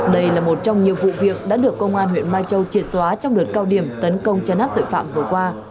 đây là một trong nhiều vụ việc đã được công an huyện mai châu triệt xóa trong đợt cao điểm tấn công chấn áp tội phạm vừa qua